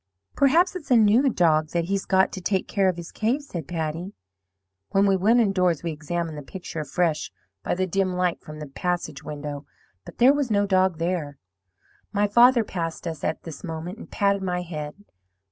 "'Perhaps it's a new dog that he's got to take care of his cave,' said Patty. "When we went indoors we examined the picture afresh by the dim light from the passage window, but there was no dog there. "My father passed us at this moment, and patted my head.